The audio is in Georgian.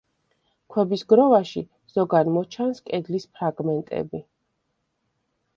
ქვების გროვაში, ზოგან მოჩანს კედლის ფრაგმენტები.